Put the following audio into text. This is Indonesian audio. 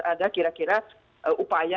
ada kira kira upaya